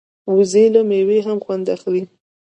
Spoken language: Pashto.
وزې له مېوې هم خوند اخلي